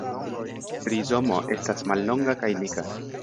Rizomo estas mallonga kaj dika.